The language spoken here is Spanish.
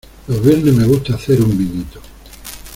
Los viernes me gusta hacer un vinito.